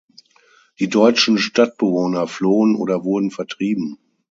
Die deutschen Stadtbewohner flohen oder wurden vertrieben.